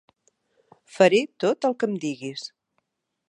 Faré tot el que em diguis.